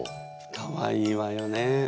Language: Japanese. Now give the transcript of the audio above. かわいいわよね。